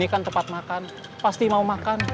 kita akan tepat makan pasti mau makan